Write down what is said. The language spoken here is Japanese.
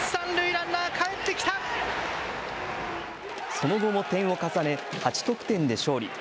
その後も点を重ね、８得点で勝利。